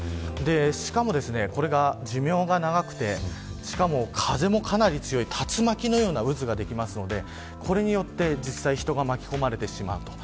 しかも、これが寿命が長くてしかも風もかなり強い竜巻のような渦ができるのでこれによって人が巻き込まれてしまう。